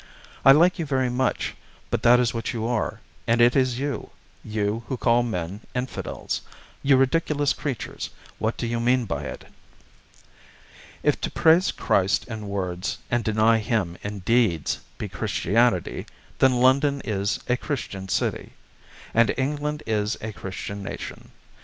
I like you very much, but that is what you are. And it is you you who call men 'Infidels.' You ridiculous creatures, what do you mean by it?" If to praise Christ in words, and deny Him in deeds, be Christianity, then London is a Christian city, and England is a Christian nation.